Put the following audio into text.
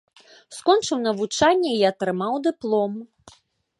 Скончыў навучанне і атрымаў дыплом.